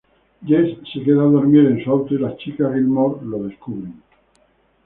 Jess se queda a dormir en su auto, y las chicas Gilmore lo descubren.